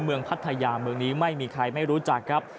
พัทยาเมืองนี้ไม่มีใครไม่รู้จักครับ